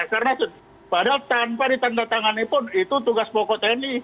karena padahal tanpa ditandatangani pun itu tugas pokok tni